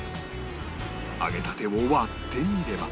揚げたてを割ってみれば